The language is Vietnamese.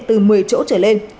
từ một mươi chỗ trở lên